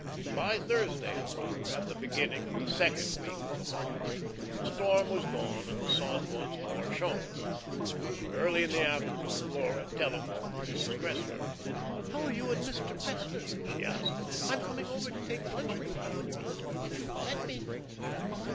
By Thursday, however, at the beginning of the second week of the month, the storm was gone, and the sun once more shone. Early in the afternoon Laura telephoned to Mrs. Cressler. "How are you and Mr. Cressler?" she asked. "I'm coming over to take luncheon with you and your husband, if you will let me."